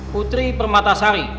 putri permata sari